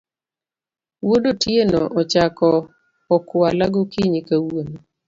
Wuod Otieno ochako okwala gokinyi kawuono